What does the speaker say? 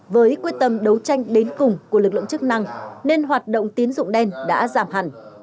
với quyết tâm đấu tranh đến cùng của lực lượng chức năng nên hoạt động tín dụng đen đã giảm hẳn